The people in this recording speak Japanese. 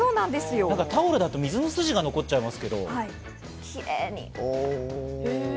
タオルだと水の筋が残っちゃいますけど。